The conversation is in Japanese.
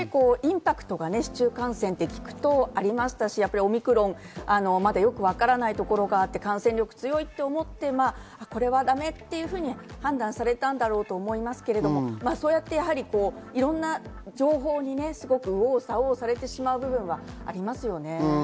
やっぱり市中感染って聞くと、インパクトがありましたし、オミクロンまだよくわからないところがあって感染力が強いと思ってこれはだめって判断されたんだろうと思いますけれど、そうやっていろんな情報に右往左往されてしまう部分がありますよね。